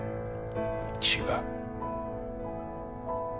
違う。